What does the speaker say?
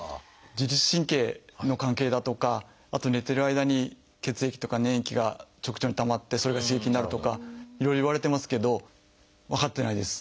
自律神経の関係だとかあと寝てる間に血液とか粘液が直腸にたまってそれが刺激になるとかいろいろいわれてますけど分かってないです。